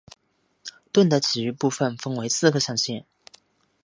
盾的其余部分分为四个象限。